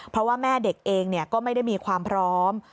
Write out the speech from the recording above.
เพราะว่าแม่เด็กเองก็ไม่ได้มีความพร้อม